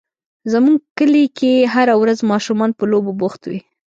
زموږ کلي کې هره ورځ ماشومان په لوبو بوخت وي.